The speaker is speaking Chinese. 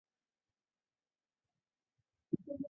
是组成欧亚大陆北方草原和北美草原的植物成分之一。